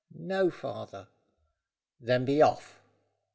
"No, father." "Then be off."